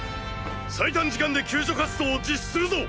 最短時間で救助活動を実施するぞ。